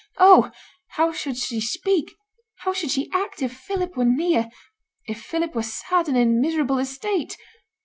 Oh! how should she speak, how should she act, if Philip were near if Philip were sad and in miserable estate?